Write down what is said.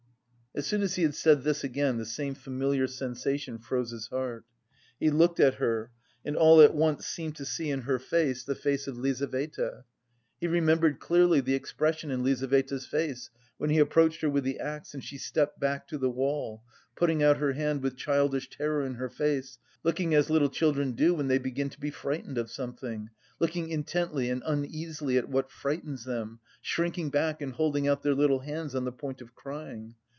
As soon as he had said this again, the same familiar sensation froze his heart. He looked at her and all at once seemed to see in her face the face of Lizaveta. He remembered clearly the expression in Lizaveta's face, when he approached her with the axe and she stepped back to the wall, putting out her hand, with childish terror in her face, looking as little children do when they begin to be frightened of something, looking intently and uneasily at what frightens them, shrinking back and holding out their little hands on the point of crying.